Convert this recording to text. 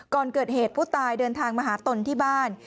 ก่อนเกิดเหตุผู้ตายเดินทางมาหาตนที่บ้าน